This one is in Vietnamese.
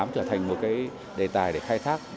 trở thành một cái đề tài để khai thác